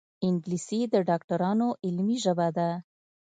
انګلیسي د ډاکټرانو علمي ژبه ده